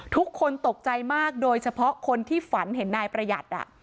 ทุกคนตกใจมากโดยเฉพาะคนที่ฝันเห็นนายประหยัด